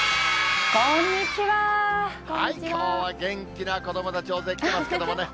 きょうは元気な子どもたち、大勢来てますけれどもね。